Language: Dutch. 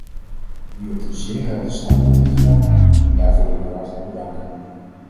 U hebt een zeer helder standpunt ingenomen, en daarvoor wil ik u hartelijk bedanken.